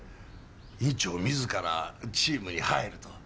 院長自らチームに入ると。